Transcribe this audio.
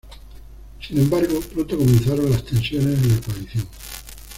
Sin embargo, pronto comenzaron las tensiones en la coalición.